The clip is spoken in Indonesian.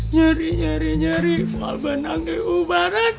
nyari nyari nyari mahal banang ke ubaran